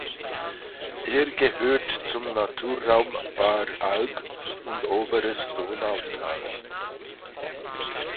Es gehört zum Naturraum Baaralb und Oberes Donautal.